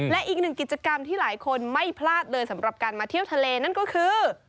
และอีกหนึ่งกิจกรรมที่หลายคนไม่พลาดเลยสำหรับการมาเที่ยวทะเลนั่นก็คือ